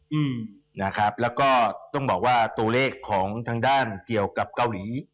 อืมนะครับแล้วก็ต้องบอกว่าตัวเลขของทางด้านเกี่ยวกับเกาหลี